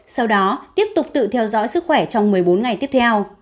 sau đó tiếp tục tự theo dõi sức khỏe trong một mươi bốn ngày tiếp theo